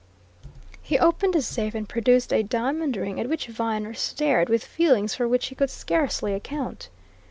He opened a safe and produced a diamond ring at which Viner stared with feelings for which he could scarcely account.